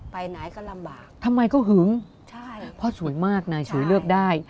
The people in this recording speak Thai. ไปไหนก็ลำบากทำไมก็หึงใช่เพราะสวยมากนายฉุยเลือกได้